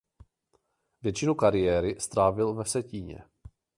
Většinu kariéry strávil ve Vsetíně.